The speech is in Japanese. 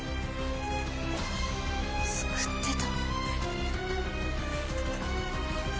救ってた？